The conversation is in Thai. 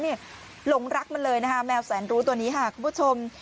หลงรักมันเลยนะคะแมวแสนรู้ตัวนี้ค่ะคุณผู้ชม